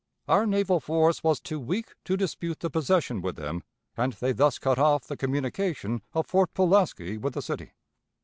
Our naval force was too weak to dispute the possession with them, and they thus cut off the communication of Fort Pulaski with the city.